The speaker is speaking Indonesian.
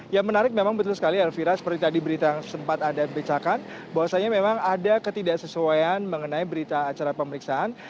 yang menarik memang betul sekali elvira seperti tadi berita yang sempat anda bacakan bahwasannya memang ada ketidaksesuaian mengenai berita acara pemeriksaan